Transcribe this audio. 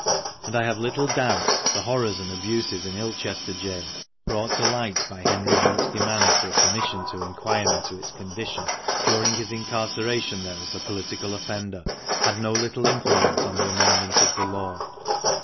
And I have little doubt the horrors and abuses in Ilchester Gaol, brought to light by Henry Hunt's demand for a Commission to inquire into its condition during his incarceration there as a political offender, had no little influence in the amendment of the law.